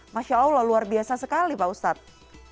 masya allah luar biasa sekali pak ustadz